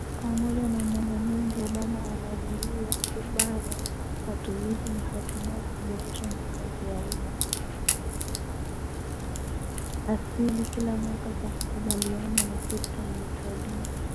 asili kila mwaka Kwa kukabiliana na sekta ya utalii